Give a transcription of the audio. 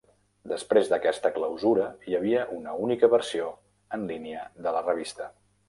Després d'aquesta clausura hi havia una única versió en línia de la revista.